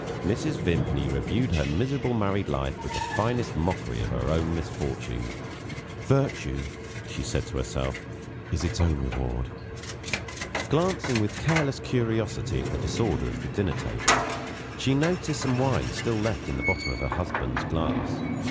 Mrs. Vimpany reviewed her miserable married life with the finest mockery of her own misfortune. "Virtue," she said to herself, "is its own reward." Glancing with careless curiosity at the disorder of the dinner table, she noticed some wine still left in the bottom of her husband's glass.